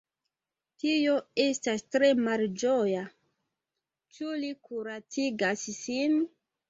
Tio estas tre malĝoja; ĉu li kuracigas sin?